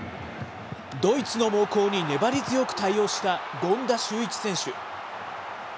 ドイツの猛攻に粘り強く対応した権田修一選手。